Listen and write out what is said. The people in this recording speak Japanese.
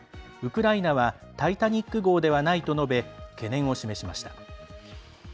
ウクライナはタイタニック号ではないと述べ懸念を示しました。